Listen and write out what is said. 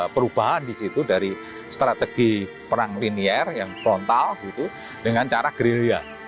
perubahan di situ dari strategi perang linier yang frontal gitu dengan cara grilya